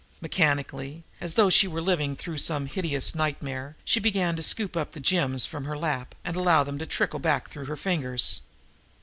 Mechanically, as though she were living through some hideous nightmare, she began to scoop up the gems from her lap and allow them to trickle back through her fingers.